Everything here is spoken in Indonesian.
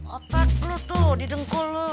otak lo tuh didengkul lo